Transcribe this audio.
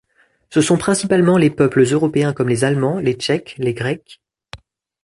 Ce sont principalement les peuples européens comme les Allemands, les Tchèques, les Grecs...